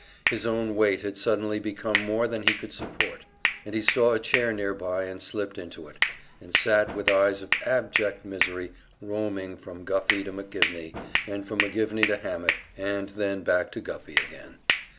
His own weight had suddenly become more than he could support, and he saw a chair nearby and slipped into it, and sat with eyes of abject misery roaming from Guffey to McGivney, and from McGivney to Hammett, and then back to Guffey again.